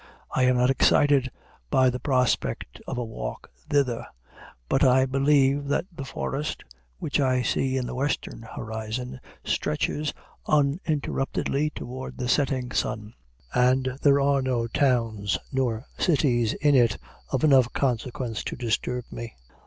I am not excited by the prospect of a walk thither; but I believe that the forest which I see in the western horizon stretches uninterruptedly toward the setting sun, and there are no towns nor cities in it of enough consequence to disturb me.